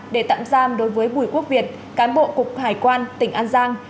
để tạm giam đối với bùi quốc việt cán bộ cục hải quan tp huế an giang